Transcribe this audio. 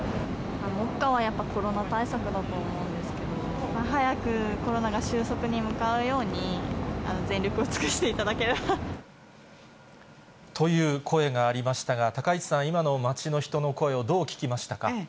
目下はやっぱりコロナ対策だと思うんですけど、早くコロナが収束に向かうように、全力を尽くという声がありましたが、高市さん、今の街の人の声をどう聞きましたか。